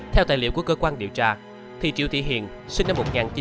theo tài liệu của cơ quan điều tra triệu thị hiền sinh năm một nghìn chín trăm chín mươi sáu